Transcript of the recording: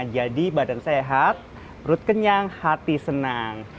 jadi badan sehat perut kenyang hati senang